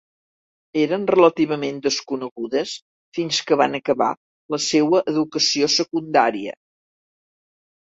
Eren relativament desconegudes fins que van acabar la seua educació secundària.